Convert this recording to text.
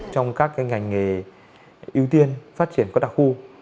trong các ngành nghề ưu tiên phát triển các đặc khu